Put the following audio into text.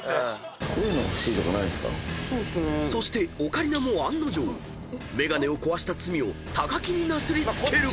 ［そしてオカリナも案の定眼鏡を壊した罪を木になすり付ける］